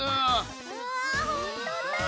うわほんとうだ！